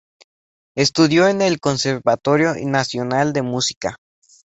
Estudió en el Conservatorio Nacional de Música.